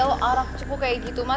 lo arak cukup kayak gitu mah